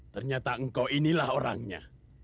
ternyata engkau inilah orangnya